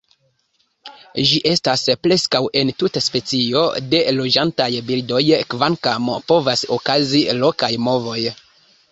Ĝi estas preskaŭ entute specio de loĝantaj birdoj, kvankam povas okazi lokaj movoj.